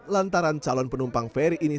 lantaran calon penumpang ferry ini